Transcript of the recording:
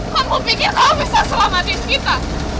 kamu pikir kamu bisa selamatin kita